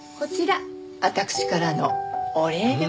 私からのお礼でございます。